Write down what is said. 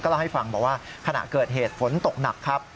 เล่าให้ฟังบอกว่าขณะเกิดเหตุฝนตกหนักครับ